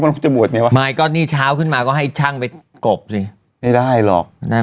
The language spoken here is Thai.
ลูกจะบวชไงวะไม่ก็นี่เช้าขึ้นมาก็ให้ช่างไปกบสิไม่ได้หรอกนะ